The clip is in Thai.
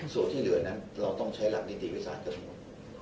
ส่วนที่เหลือนั้นเราต้องใช้หลักนิติวิสานทั้งหมด